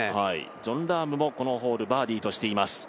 ジョン・ラームもこのホールバーディーとしています。